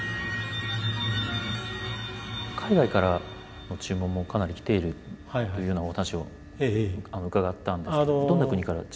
海外からの注文もかなり来ているっていうようなお話を伺ったんですけどもどんな国から注文？